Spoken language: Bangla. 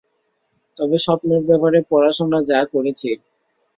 তবে স্বপ্নের ব্যাপারে পড়াশোনা যা করেছি।